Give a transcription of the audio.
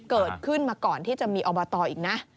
เกิดขึ้นมาก่อนที่จะมีอบตอีกนะ